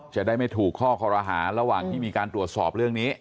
จะได้ไม่ถูกข้อคอรหาระหว่างที่มีการตรวจสอบเรื่องนี้